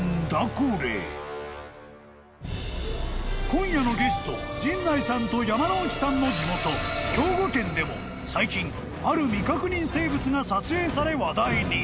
［今夜のゲスト陣内さんと山之内さんの地元兵庫県でも最近ある未確認生物が撮影され話題に。